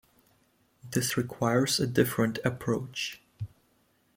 This requires a different approach.